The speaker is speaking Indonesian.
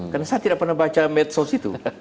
karena saya tidak pernah baca medsos itu